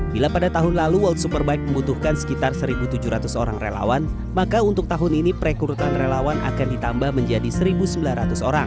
bila pada tahun lalu world superbike membutuhkan sekitar satu tujuh ratus orang relawan maka untuk tahun ini perekrutan relawan akan ditambah menjadi satu sembilan ratus orang